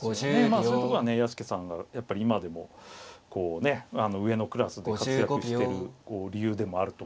まあそういうとこはね屋敷さんがやっぱり今でもこうね上のクラスで活躍してる理由でもあると思うんですけど。